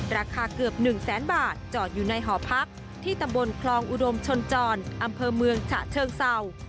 ราคาเกือบ๑แสนบาทจอดอยู่ในหอพักที่ตำบลคลองอุดมชนจรอำเภอเมืองฉะเชิงเศร้า